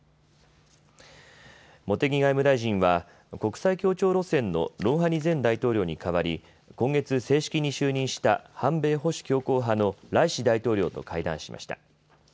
茂木外務大臣は国際協調路線のロウハニ前大統領に代わり今月、正式に就任した反米・保守強硬派のライシ大統領と会談しました。